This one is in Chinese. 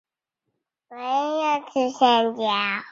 因此食物链有累积和放大的效应。